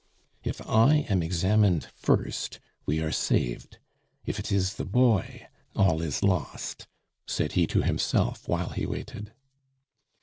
"If I am examined first, we are saved; if it is the boy, all is lost," said he to himself while he waited.